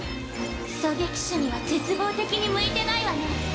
狙撃手には絶望的に向いてないわね。